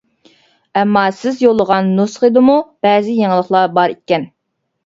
ئەمما سىز يوللىغان نۇسخىدىمۇ بەزى يېڭىلىقلار بار ئىكەن.